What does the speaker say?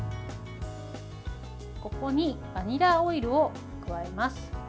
ここにバニラオイルを加えます。